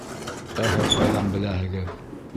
Ә һеҙ ҡайҙан беләһегеҙ?